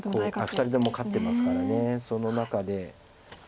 二人とも勝ってますからその中で。